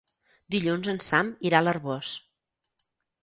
Dilluns en Sam irà a l'Arboç.